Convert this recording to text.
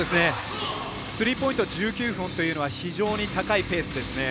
スリーポイント１９本というのは高いペースですね。